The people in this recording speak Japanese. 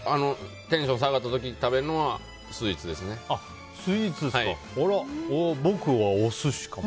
テンション下がった時に食べるのは僕はお寿司かな。